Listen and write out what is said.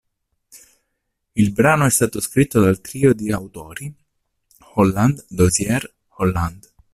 Il brano è stato scritto dal trio di autori Holland-Dozier-Holland.